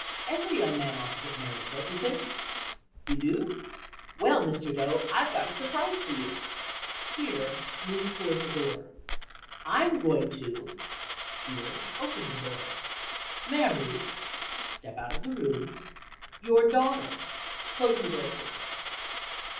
Every young man ought to get married, don't you think? You do? Well, Mr. Doe, I've got a surprise for you, (here move toward the door). I'm going to (here open the door) marry (step out of the room) your daughter" (close the door quickly).